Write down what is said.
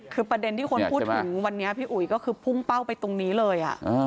คือประเด็นที่คนพูดถึงวันนี้พี่อุ๋ยก็คือพุ่งเป้าไปตรงนี้เลย